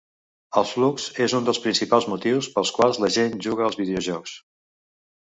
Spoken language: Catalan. El flux és un dels principals motius pels quals la gent juga als videojocs.